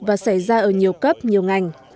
và xảy ra ở nhiều cấp nhiều ngành